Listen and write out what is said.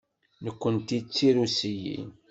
Nekkenti d Tirusiyin.